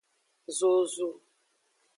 Zozu.